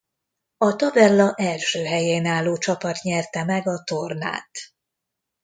A tabella első helyén álló csapat nyerte meg a tornát.